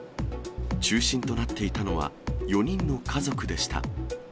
中心となっていたのは、４人の家族でした。